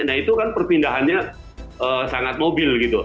nah itu kan perpindahannya sangat mobil gitu